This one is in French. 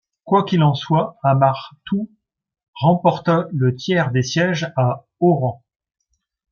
Quoi qu'il en soit, Amar Tou remporta le tiers des sièges à Oran.